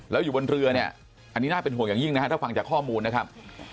แล้วอยู่บนเรือเนี่ยอันนี้น่าเป็นห่วงอย่างยิ่งนะฮะถ้าฟังจากข้อมูลนะครับ